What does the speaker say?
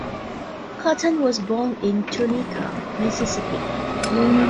Cotton was born in Tunica, Mississippi.